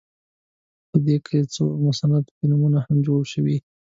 په دې کلا څو مستند فلمونه هم جوړ شوي.